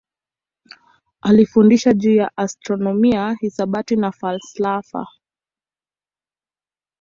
Alifundisha juu ya astronomia, hisabati na falsafa.